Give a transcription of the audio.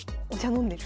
飲んでる。